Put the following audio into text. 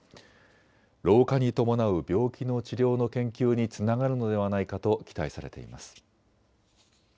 老化に伴う病気の治療の研究につながるのではないかと期待されています。